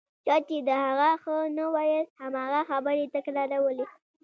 چا چې د هغه ښه نه ویل هماغه خبرې تکرارولې.